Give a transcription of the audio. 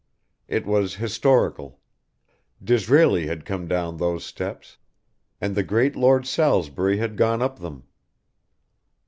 It was historical. Disraeli had come down those steps, and the great Lord Salisbury had gone up them.